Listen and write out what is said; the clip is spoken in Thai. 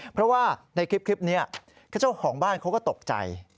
เพราะว่าในคลิปนี้เจ้าของบ้านเขาก็ตกใจ